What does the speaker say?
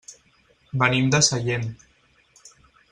Venim de Sallent.